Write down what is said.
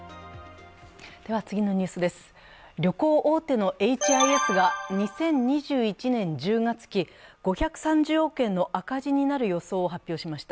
旅行大手のエイチ・アイ・エスが２０２１年１０月期、５３０億円の赤字になる予想を発表しました。